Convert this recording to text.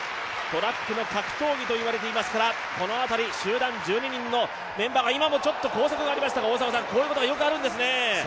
トラックの格闘技と言われていますから、この辺り、集団１２人のメンバーが、今も交錯がありましたがこういうことがありますね。